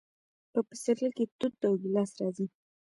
په پسرلي کې توت او ګیلاس راځي.